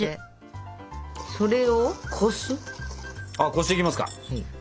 こしていきますか。